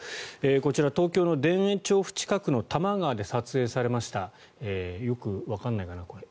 こちら、東京の田園調布近くの多摩川で撮影されましたよくわからないかな、これ。